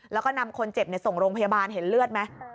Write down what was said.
แล้วก็นำคนเจ็บส่งโรงพยาบาลเห็นเลือดไหม